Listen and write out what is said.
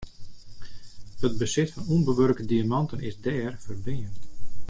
It besit fan ûnbewurke diamanten is dêr ferbean.